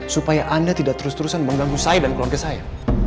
supaya anda tidak terus terusan mengganggu saya dan keluarga saya